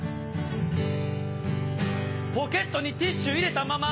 ポケットにティッシュ入れたまま